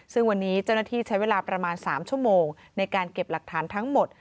ซึ่งวันนี้เจ้าหน้าที่ใช้เวลาประมาณ๓ชั่วโมงในการเก็บหลักฐานทั้งหมด